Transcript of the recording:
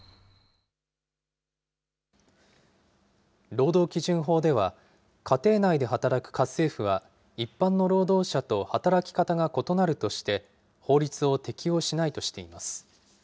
労働基準法では、家庭内で働く家政婦は、一般の労働者と働き方が異なるとして、法律を適用しないとしています。